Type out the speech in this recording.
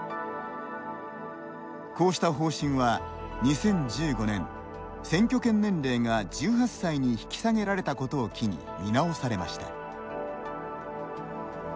こうした方針は、２０１５年選挙権年齢が１８歳に引き下げられたことを機に見直されました。